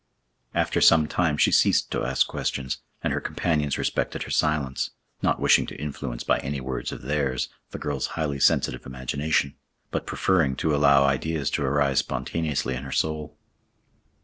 After some time she ceased to ask questions, and her companions respected her silence, not wishing to influence by any words of theirs the girl's highly sensitive imagination, but preferring to allow ideas to arise spontaneously in her soul.